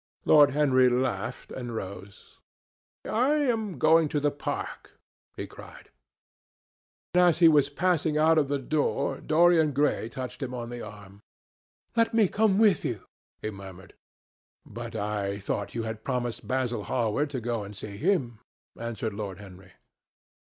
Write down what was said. Lord Henry laughed and rose. "I am going to the park," he cried. As he was passing out of the door, Dorian Gray touched him on the arm. "Let me come with you," he murmured. "But I thought you had promised Basil Hallward to go and see him," answered Lord Henry.